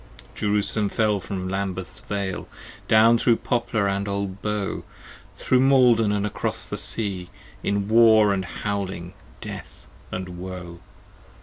Jerusalem fell from Lambeth's Vale, Down thro' Poplar & Old Bow; 60 Thro' Maiden & acros the Sea, In War & howling, death & woe.